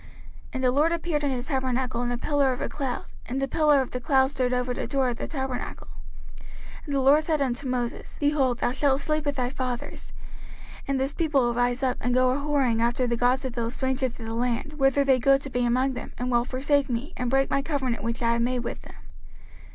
05:031:015 And the LORD appeared in the tabernacle in a pillar of a cloud: and the pillar of the cloud stood over the door of the tabernacle. 05:031:016 And the LORD said unto Moses, Behold, thou shalt sleep with thy fathers; and this people will rise up, and go a whoring after the gods of the strangers of the land, whither they go to be among them, and will forsake me, and break my covenant which I have made with them.